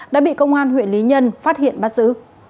đã bị công an huyện lý nhân phát hiện bắt giữ